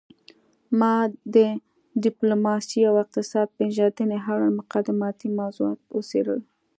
ما د ډیپلوماسي او اقتصاد پیژندنې اړوند مقدماتي موضوعات وڅیړل